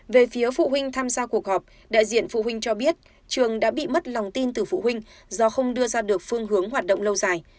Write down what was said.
về phía phụ huynh tham gia cuộc họp đại diện phụ huynh cho biết trường đã bị mất lòng tin từ phụ huynh do không đưa ra được phương hướng hoạt động lâu dài